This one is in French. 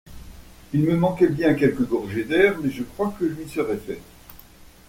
Il me manquait bien quelques gorgées d'air, mais je crois que je m'y serais fait.